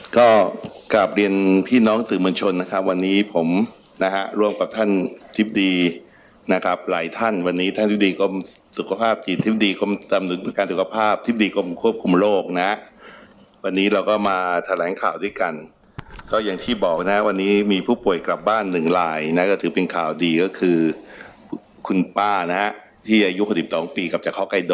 ก็กลับเรียนพี่น้องสื่อมวลชนนะครับวันนี้ผมนะฮะร่วมกับท่านทิบดีนะครับหลายท่านวันนี้ท่านอธิบดีกรมสุขภาพจิตธิบดีกรมตำหนุนประกันสุขภาพอธิบดีกรมควบคุมโรคนะวันนี้เราก็มาแถลงข่าวด้วยกันก็อย่างที่บอกนะวันนี้มีผู้ป่วยกลับบ้านหนึ่งลายนะก็ถือเป็นข่าวดีก็คือคุณป้านะฮะที่อายุ๖๒ปีกับ